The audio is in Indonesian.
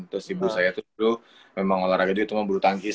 terus ibu saya tuh dulu memang olahraga dia itu membulu tangkis